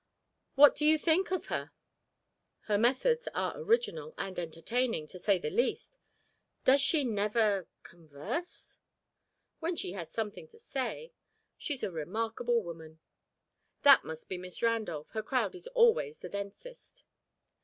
What do you think of her?" "Her methods are original and entertaining, to say the least. Does she never converse?" "When she has something to say; she's a remarkable woman. That must be Miss Randolph. Her crowd is always the densest."